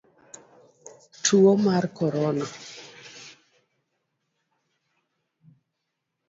Tuo mar korona